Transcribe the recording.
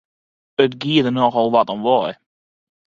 It gie der nochal wat om wei!